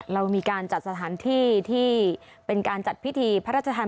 เรามีการจัดสถานที่ที่เป็นการจัดพิธีพระราชทาน